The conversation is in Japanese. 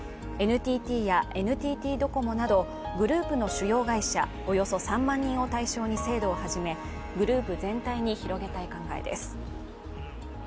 ＮＴＴやＮＴＴドコモなどグループの主要会社、およそ３万人を対象に制度を始め、グループ全体に広げたい考えです。